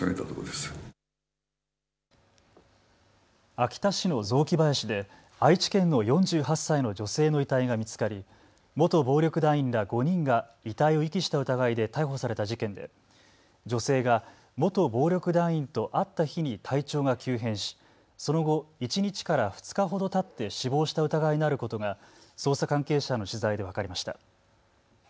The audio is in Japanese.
秋田市の雑木林で愛知県の４８歳の女性の遺体が見つかり元暴力団員ら５人が遺体を遺棄した疑いで逮捕された事件で女性が元暴力団員と会った日に体調が急変し、その後、１日から２日ほどたって死亡した疑いのあることが捜査関係者への取材で分かりました。